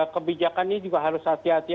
kebijakan ini juga harus hati hati